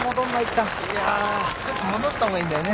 ちょっと戻ったほうがいいんだよね？